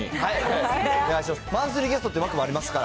マンスリーゲストって枠もありますから。